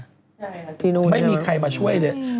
ใช่ไม่มีใครมาช่วยนี้